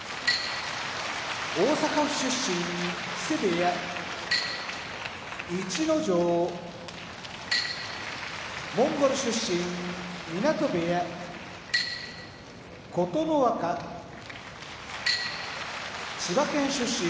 大阪府出身木瀬部屋逸ノ城モンゴル出身湊部屋琴ノ若千葉県出身